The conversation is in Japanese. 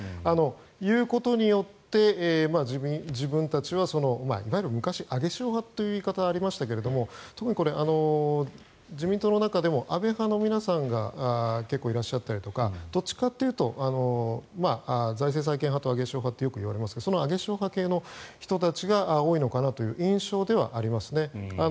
言うことによって、自分たちはいわゆる昔、上げ潮派という言い方がありましたが自民党の中でも安倍派の皆さんが結構いらっしゃったりとかどっちかというと財政再建派と上げ潮派といわれますがその上げ潮派系の人たちが多いのかなという印象ではありますね。